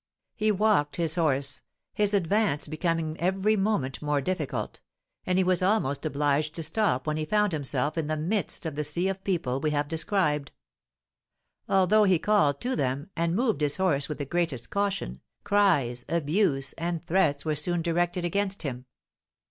He walked his horse, his advance becoming every moment more difficult, and he was almost obliged to stop when he found himself in the midst of the sea of people we have described. Although he called to them, and moved his horse with the greatest caution, cries, abuse, and threats were soon directed against him.